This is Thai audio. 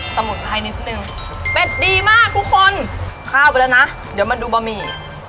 สมุนไพรนิดนึงเป็ดดีมากทุกคนข้าวไปแล้วนะเดี๋ยวมาดูบะหมี่